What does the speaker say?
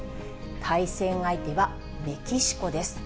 対戦相手は、メキシコです。